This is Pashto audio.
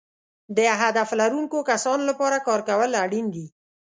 د هدف لرونکو کسانو لپاره کار کول اړین دي.